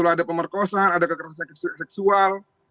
ada pemerkosaan ada kekerasan seksual